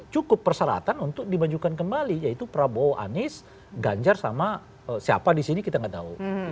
cukup persyaratan untuk dimajukan kembali yaitu prabowo anies ganjar sama siapa di sini kita nggak tahu